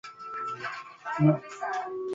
La isla posee una flora exuberante.